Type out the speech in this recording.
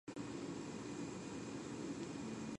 She also passed secret messages to political prisoners in jail.